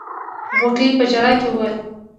غوټۍ په ژړا کې وويل.